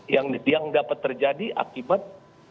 yang dapat terjadi akibat